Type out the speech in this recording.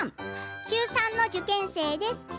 中３の受験生です。